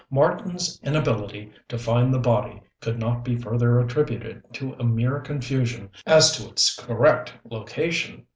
Marten's inability to find the body could not be further attributed to a mere confusion as to its correct location.